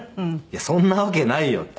「いやそんなわけないよ」